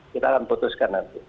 kita akan putuskan nanti